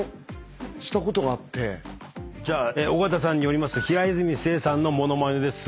じゃあ尾形さんによります平泉成さんのものまねです。